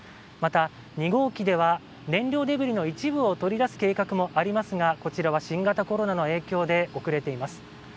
また、２号機では燃料デブリの一部を取り出す計画もありますがこちらは新型コロナの影響で遅れています。